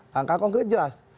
langkah konkret jelas